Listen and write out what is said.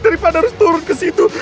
daripada harus turun ke situ